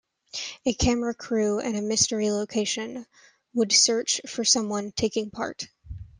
A camera crew in a mystery location would search for someone taking part.